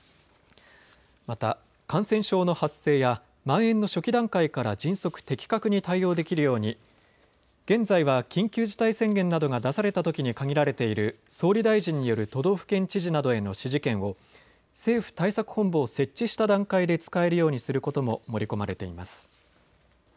また感染症の発生やまん延の初期段階から迅速・的確に対応できるように現在は緊急事態宣言などが出されたときに限られている総理大臣による都道府県知事などへの指示権を政府対策本部を設置した段階で使えるようにすることも盛り込まれています。